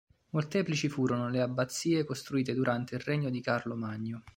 Molteplici furono le abbazie costruite durante il regno di Carlo Magno.